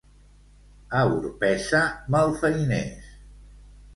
A Orpesa, malfeiners.